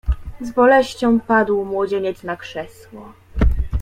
"Z boleścią padł młodzieniec na krzesło."